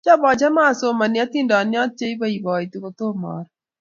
Cham achame asomani atindyonik che ipoipoiti kotom aru.